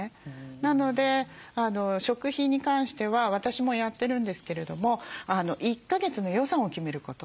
なので食費に関しては私もやってるんですけれども１か月の予算を決めること。